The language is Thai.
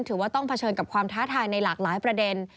ถือว่าต้องเผชิญกับความท้าทายในหลากหลายประเด็น